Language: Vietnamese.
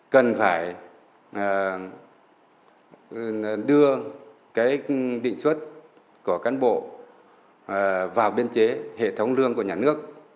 cần phải đưa cái định xuất của cán bộ vào biên chế hệ thống lương của nhà nước